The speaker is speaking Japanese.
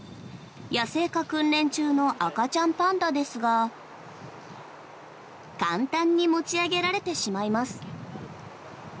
野生化訓練中の赤ちゃんパンダですが簡単に持ち上げられてしまいます。